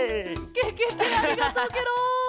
ケケケありがとうケロ！